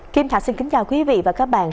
kim thạch xin kính chào quý vị và các bạn